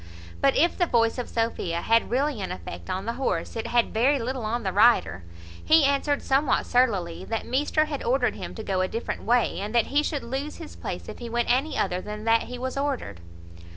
But if the voice of Sophia had really an effect on the horse, it had very little on the rider. He answered somewhat surlily, "That measter had ordered him to go a different way, and that he should lose his place if he went any other than that he was ordered."